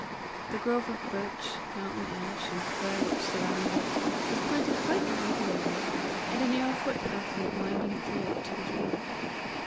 The grove of birch, mountain ash, and fir which surrounded it, was planted quite irregularly, and a narrow foot path went winding through it to the door.